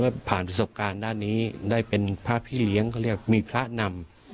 ที่ผ่าวิศบการณ์ด้านนี้ได้เป็นพระพิเรียกมีพระนำ